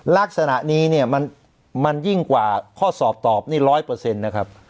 ลักษณะนี้เนี่ยมันมันยิ่งกว่าข้อสอบตอบนี่ร้อยเปอร์เซ็นต์นะครับ